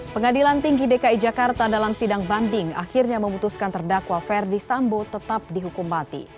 pengadilan tinggi dki jakarta dalam sidang banding akhirnya memutuskan terdakwa ferdi sambo tetap dihukum mati